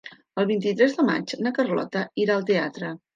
El vint-i-tres de maig na Carlota irà al teatre.